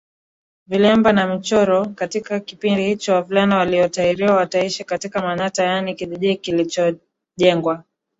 vilemba na michoro Katika kipindi hicho wavulana waliotahiriwa wataishi katika manyatta yaani kijiji kilichojengwa